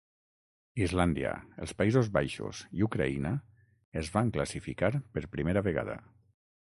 Islàndia, els Països Baixos i Ucraïna es van classificar per primera vegada.